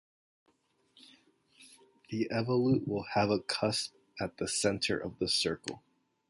The evolute will have a cusp at the center of the circle.